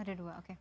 ada dua oke